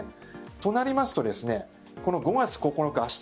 となりますと、この５月９日明日